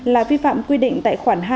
là vi phạm quy định tại khoản hai